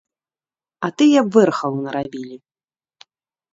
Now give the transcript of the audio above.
А тыя б вэрхалу нарабілі.